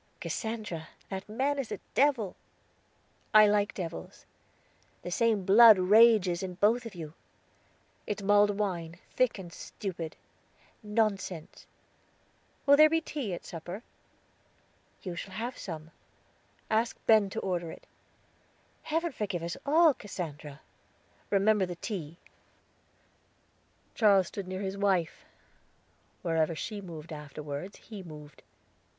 "Cassandra, that man is a devil." "I like devils." "The same blood rages in both of you." "It's mulled wine, thick and stupid." "Nonsense." "Will there be tea, at supper?" "You shall have some." "Ask Ben to order it." "Heaven forgive us all, Cassandra!" "Remember the tea." Charles stood near his wife; wherever she moved afterwards he moved.